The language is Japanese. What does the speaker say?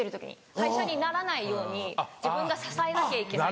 廃車にならないように自分が支えなきゃいけない。